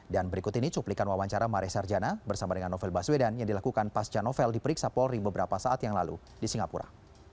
dan berikut ini cuplikan wawancara maria sarjana bersama dengan novel baswedan yang dilakukan pasca novel di periksa polri beberapa saat yang lalu di singapura